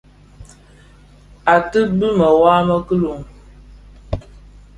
Ated bi mewaa më kiloň,